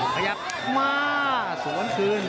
พยายามมาสวนคืน